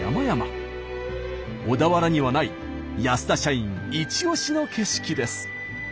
小田原にはない安田社員イチオシの景色です。